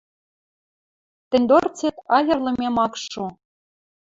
— Тӹнь дорцет айырлымем ак шо...